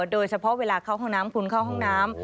โดยเฉพาะเวลาเข้าห้องน้ำคุณเข้าห้องน้ำ